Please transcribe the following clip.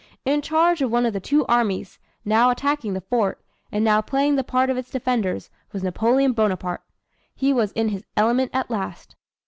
In charge of one of the two armies, now attacking the fort, and now playing the part of its defenders, was Napoleon Bonaparte. He was in his element at last.